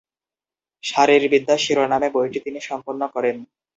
শারীরবিদ্যা শিরোনামে বইটি তিনি সম্পন্ন করেন।